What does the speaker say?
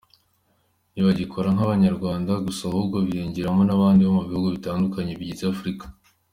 Ntibagikora nk’Abanyarwanda gusa ahubwo biyongereyemo n’abandi bo mu bihugu bitandukanye bigize Afurika.